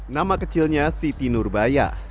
nama kecilnya siti nurbaya